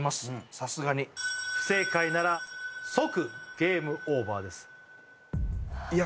さすがに不正解なら即ゲームオーバーですいや